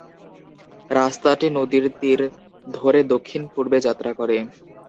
রাস্তাটি নদীর তীর ধরে দক্ষিণপূর্বে যাত্রা করে।